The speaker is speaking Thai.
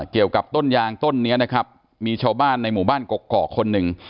เกี่ยวกับต้นยางต้นนี้นะครับมีชาวบ้านในหมู่บ้านกกอกคนหนึ่ง